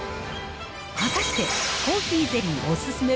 果たして、コーヒーゼリーお勧め